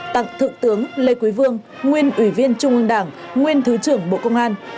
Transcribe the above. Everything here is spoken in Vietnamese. tặng thượng tướng lê quý vương nguyên ủy viên trung ương đảng nguyên thứ trưởng bộ công an